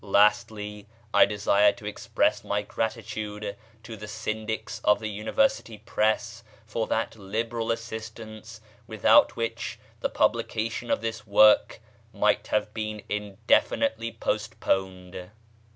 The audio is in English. Lastly, I desire to express my gratitude to the Syndics of the University Press for that liberal assistance without which the publication of this work might have been indefinitely postponed.